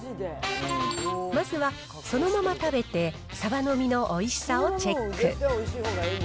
まずは、そのまま食べて、サバの身のおいしさをチェック。